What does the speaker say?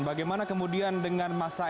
bagaimana kemudian dengan masa